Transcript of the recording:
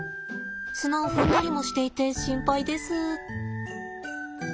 砂を踏んだりもしていて心配です。